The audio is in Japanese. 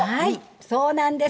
そうなんです。